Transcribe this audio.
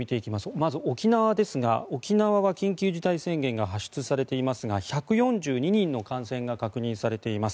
まず沖縄ですが沖縄は緊急事態宣言が発出されていますが１４２人の感染が確認されています。